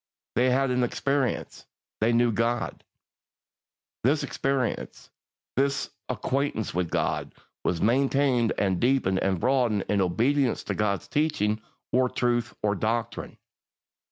1. They had an experience. They knew God. 2. This experience, this acquaintance with God, was maintained and deepened and broadened in obedience to God's teaching, or truth, or doctrine.